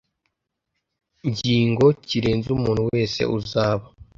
ngingo kirenze umuntu wese uzaba